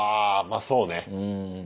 まそうね。